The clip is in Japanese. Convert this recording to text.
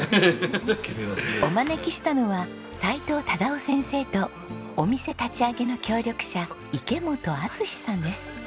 お招きしたのは齋藤忠夫先生とお店立ち上げの協力者池本篤さんです。